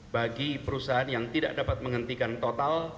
bagi perusahaan yang tidak dapat menghentikan total